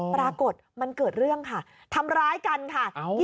ปรากฏมันเกิดเรื่องค่ะทำร้ายกันค่ะ